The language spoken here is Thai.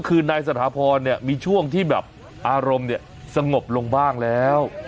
คือนายสถาพรเนี่ยมีช่วงที่แบบอารมณ์เนี่ยสงบลงบ้างแล้ว